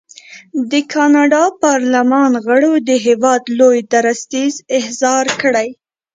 د کاناډا پارلمان غړو د هېواد لوی درستیز احضار کړی.